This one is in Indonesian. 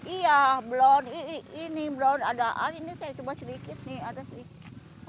iya belon ini belon adaan ini saya coba sedikit nih ada sedikit